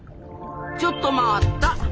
ちょっと待った！